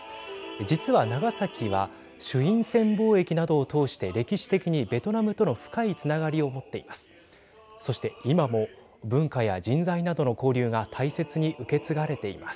実は長崎は朱印船貿易などを通して歴史的にベトナムとの深いつながりを持っています。